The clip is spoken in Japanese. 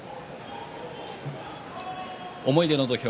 「思い出の土俵」